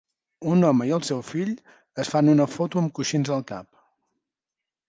Un home i el seu fill es fan una foto amb coixins al cap.